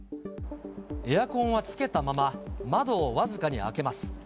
エアコンはつけたまま、窓を僅かに開けます。